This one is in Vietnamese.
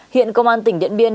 hiện công an tỉnh điện biên